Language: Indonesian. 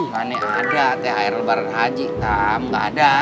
mana ada thr lebaran haji tam gak ada